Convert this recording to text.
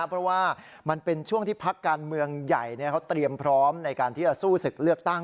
เพราะว่ามันเป็นช่วงที่พักการเมืองใหญ่เขาเตรียมพร้อมในการที่จะสู้ศึกเลือกตั้ง